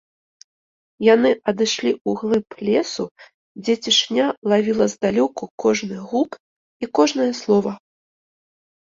Яны адышлі ў глыб лесу, дзе цішыня лавіла здалёку кожны гук і кожнае слова.